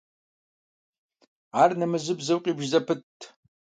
Ар нэмэзыбзэу къибж зэпытт.